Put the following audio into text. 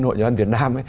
hội nhà văn việt nam